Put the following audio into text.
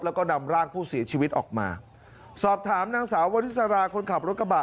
แล้วก็นำร่างผู้เสียชีวิตออกมาสอบถามนางสาววริสราคนขับรถกระบะ